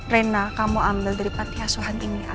rena kamu ambil dari panti asuhan ini